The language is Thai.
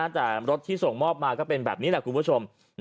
แต่รถที่ส่งมอบมาก็เป็นแบบนี้แหละคุณผู้ชม